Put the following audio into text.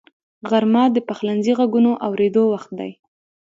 غرمه د پخلنځي غږونو اورېدو وخت دی